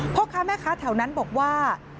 พ่อค้าแม่ค้าแถวนั้นบอกว่า